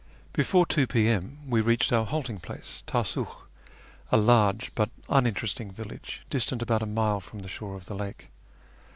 Before 2 p.m. we reached our halting place, Tasuch, a large but uninteresting village distant about a mile from the shore of the lake.